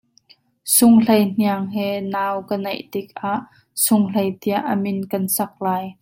Sung Hlei Hniang he nau ka neih tikah Sung Hlei tiah a min kan sak lai.